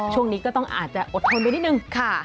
ช่วงนี้ก็ต้องอาจจะอดทนไปนิดนึงค่ะ